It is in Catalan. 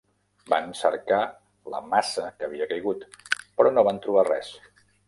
Van cercar la massa que havia caigut, però no van trobar res.